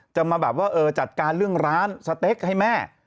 จะมาแบบว่าจัดการเรื่องร้านสเต็กให้แม่